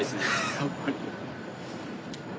やっぱり。